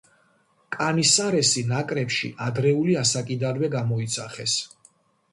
კანისარესი ნაკრებში ადრეული ასაკიდანვე გამოიძახეს.